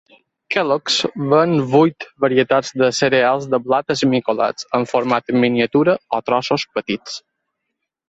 Kellogg's ven vuit varietats de cereals de blat esmicolats en format miniatura o trossos petits.